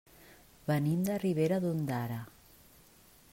Venim de Ribera d'Ondara.